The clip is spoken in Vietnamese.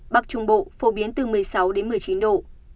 bắc trung bộ phổ biến từ một mươi sáu đến một mươi chín độ